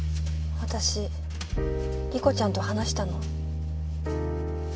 私理子ちゃんと話したの。